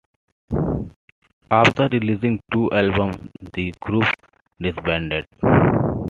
After releasing two albums, the group disbanded.